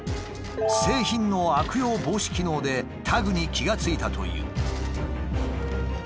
製品の悪用防止機能でタグに気が付いたという。